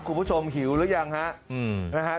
คุณผู้ชมหิวหรือยังฮะอืมนะฮะ